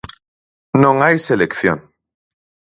Non hai selección.